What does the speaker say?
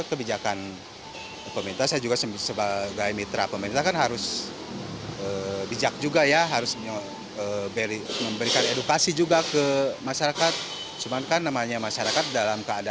lebih pengennya dicabut lah